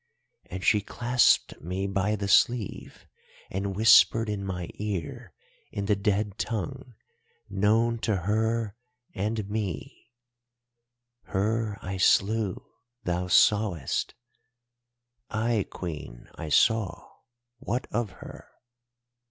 And she clasped me by the sleeve and whispered in my ear, in the dead tongue known to her and me—'Her I slew—thou sawest——' "'Ay, Queen, I saw—what of her?